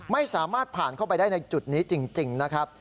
ไม่สามารถผ่านเข้าไปได้ในจุดนี้จริงนะครับ